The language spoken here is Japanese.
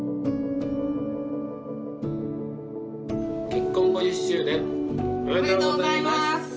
結婚５０周年おめでとうございます！